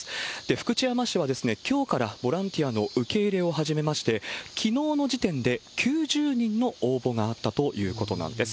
福知山市はきょうからボランティアの受け入れを始めまして、きのうの時点で９０人の応募があったということなんです。